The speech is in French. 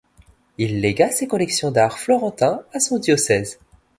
Il légua ses collections d'art florentin à son diocèse.